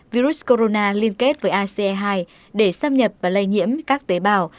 virus corona liên kết với ace hai để xâm nhập và lây nhiễm các tế bào